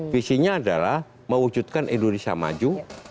visinya adalah mewujudkan indonesia maju